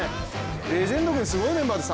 レジェンド軍、すごいメンバーです